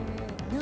何？